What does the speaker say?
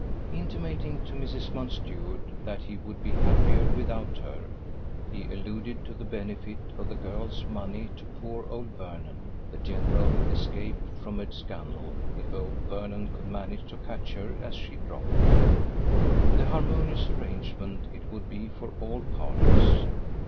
Intimating to Mrs. Mountstuart that he would be happier without her, he alluded to the benefit of the girl's money to poor old Vernon, the general escape from a scandal if old Vernon could manage to catch her as she dropped, the harmonious arrangement it would be for all parties.